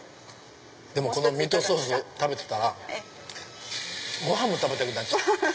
でもこのミートソース食べてたらご飯も食べたくなっちゃった。